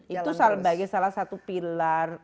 itu sebagai salah satu pilar